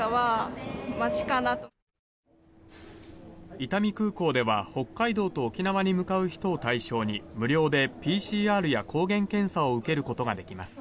伊丹空港では北海道と沖縄に向かう人を対象に無料でＰＣＲや抗原検査を受けることができます。